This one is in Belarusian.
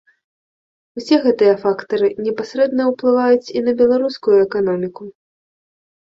Усе гэтыя фактары непасрэдна ўплываюць і на беларускую эканоміку.